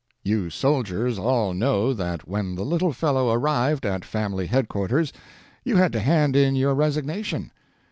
You soldiers all know that when that little fellow arrived at family headquarters you had to hand in your resignation.